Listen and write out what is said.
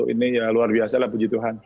ini ya luar biasa lah puji tuhan